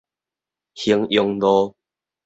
衡陽路